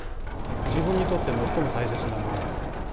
自分にとって最も大切なもの。